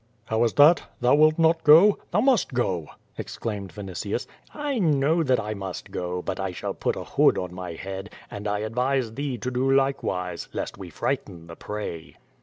'* "How is that? Thou wilt not go? Thou must go!" ex claimed Vinitius. *li know that I must go; but I shall put a hood on my head, and I advise thee to do likewise, lest we frighten the prey."